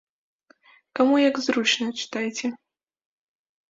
Каму як зручна, чытайце.